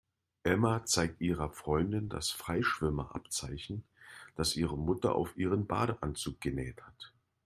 Emma zeigt ihrer Freundin das Freischwimmer-Abzeichen, das ihre Mutter auf ihren Badeanzug genäht hat.